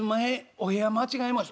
お部屋間違えました」。